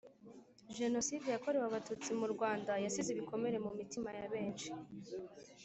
Genocide yakorewe abatutsi murwanda yasize ibikomere mumitima yabenshi